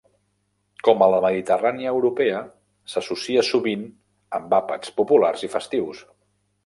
Com a la mediterrània europea s'associa sovint amb àpats populars i festius.